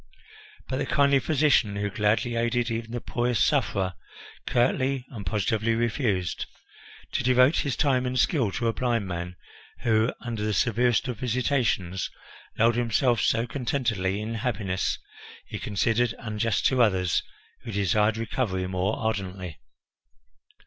But the kindly physician, who gladly aided even the poorest sufferer, curtly and positively refused. To devote his time and skill to a blind man who, under the severest of visitations, lulled himself so contentedly in happiness, he considered unjust to others who desired recovery more ardently.